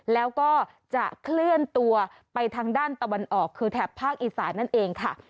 แล้วก็จะเคลื่อนตัวไปทางด้านตะวันออกคือแถบภาคอีสานนั่นเองค่ะ